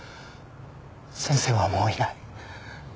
先生はもういない。